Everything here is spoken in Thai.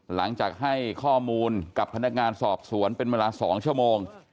หลังจากให้ข้อมูลกับพนักงานสอบสวนเป็นเวลา๒ชั่วโมง